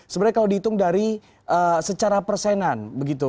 sebenarnya kalau dihitung dari secara persenan begitu